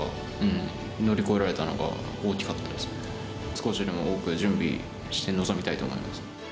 少しでも多く準備して臨みたいと思います。